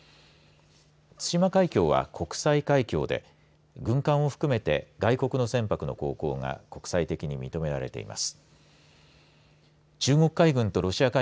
対馬海峡は国際海峡で軍艦を含めて外国の船舶の航行が国際的に認められています。